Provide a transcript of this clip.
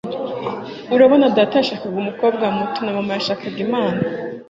Urabona data yashakaga umukobwa muto na mama yashakaga impanga